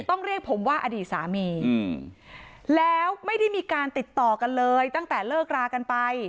ต้องเรียกผมว่าอดีตสามีแล้วไม่ได้มีการติดต่อกันเลยตั้งแต่เลิกรากันไป